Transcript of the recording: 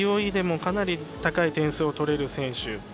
ＧＯＥでもかなり高い点数をとれる選手。